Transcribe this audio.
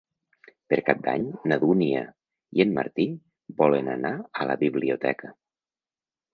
Per Cap d'Any na Dúnia i en Martí volen anar a la biblioteca.